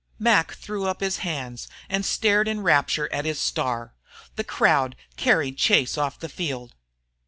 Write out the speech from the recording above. Mac threw up his hands and stared in rapture at his star. The crowd carried Chase off the field.